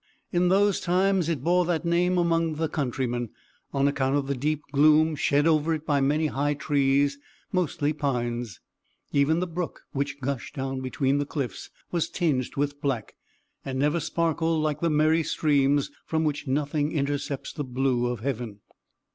In those times it bore that name among the countrymen, on account of the deep gloom shed over it by many high trees, mostly pines. Even the brook which gushed down between the cliffs was tinged with black, and never sparkled like the merry streams from which nothing intercepts the blue of heaven.